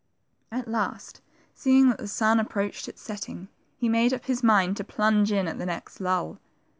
At last, seeing that the sun approached its setting, he made up his mind to plunge in at the next lull.